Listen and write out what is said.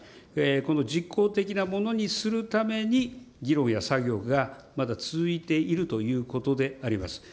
この実効的なものにするために、議論や作業がまだ続いているということであります。